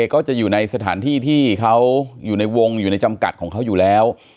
ก็จะอยู่ในสถานที่ที่เขาอยู่ในวงอยู่ในจำกัดของเขาอยู่แล้ว